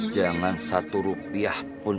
jangan satu rupiah pun